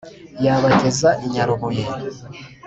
yabageza i nyarubuye.